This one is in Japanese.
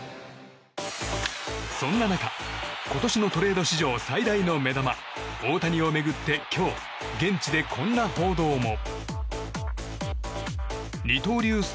そんな中、今年のトレード市場最大の目玉大谷を巡って今日、現地でこんな報道も。